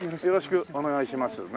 よろしくお願いします。